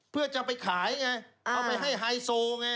เพื่อจะไปขายไงเอาไปให้ไฮโซไง